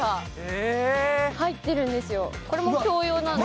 これも共用なんです。